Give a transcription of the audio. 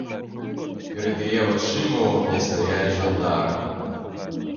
Перад яе вачыма ў акне стаялі жандары.